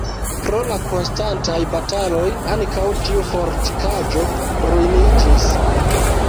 Pro la konstantaj bataloj ankaŭ tiu fortikaĵo ruiniĝis.